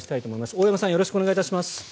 大山さんよろしくお願いします。